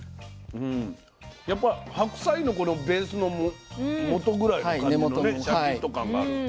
やっぱ白菜のベースのもとぐらいの感じのねシャキッと感がある。